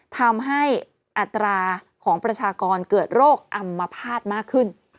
ทำให้อัตราของประชากรเกิดโรคอำมภาษณ์มากขึ้น